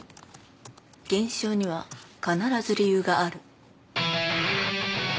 現象には必ず理由がある。